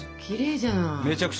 きれいじゃない。